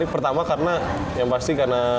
pertama karena yang pasti karena